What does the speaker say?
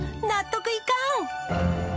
納得いかん。